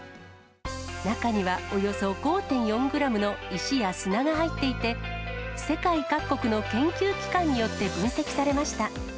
中にはおよそ５．４グラムの石や砂が入っていて、世界各国の研究機関によって分析されました。